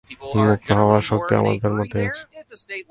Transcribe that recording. মুক্ত হওয়ার শক্তি আমাদের মধ্যেই আছে।